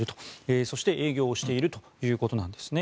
そして営業しているということです。